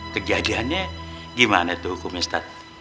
kejadiannya gimana tuh hukumnya ustadz